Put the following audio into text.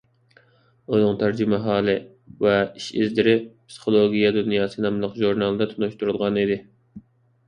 ئۇنىڭ تەرجىمىھالى ۋە ئىش-ئىزلىرى «پسىخولوگىيە دۇنياسى» ناملىق ژۇرنالدا تونۇشتۇرۇلغان ئىدى.